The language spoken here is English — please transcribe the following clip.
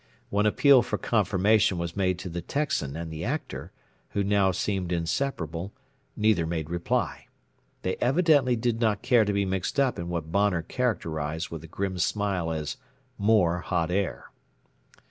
When appeal for confirmation was made to the Texan and the Actor, who now seemed inseparable, neither made reply. They evidently did not care to be mixed up in what Bonner characterized with a grim smile as "more hot air."